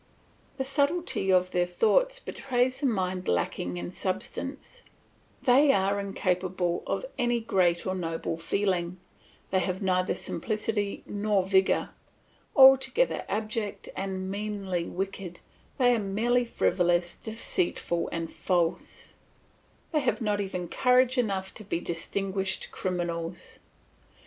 The subtlety of their thoughts betrays a mind lacking in substance; they are incapable of any great or noble feeling, they have neither simplicity nor vigour; altogether abject and meanly wicked, they are merely frivolous, deceitful, and false; they have not even courage enough to be distinguished criminals.